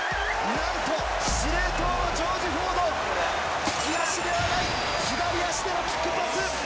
なんと、司令塔のジョージ・フォード、利き足ではない、左足でのキックパス。